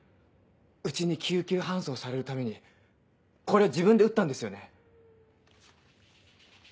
うちに救急搬送されるためにこれを自分で打ったんですよね？